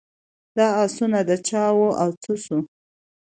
دا آسونه د چا وه او څه سوه.